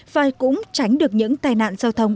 và cũng tránh được những tai nạn giao thông